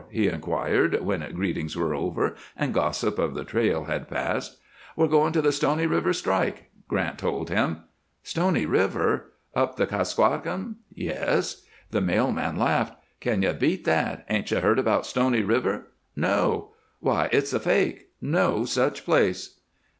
he inquired when greetings were over and gossip of the trail had passed. "We're going to the Stony River strike," Grant told him. "Stony River? Up the Kuskokwim?" "Yes!" The mail man laughed. "Can you beat that? Ain't you heard about Stony River?" "No!" "Why, it's a fake no such place."